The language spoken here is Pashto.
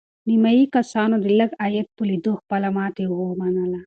نیمایي کسانو د لږ عاید په لیدو خپله ماتې ومنله.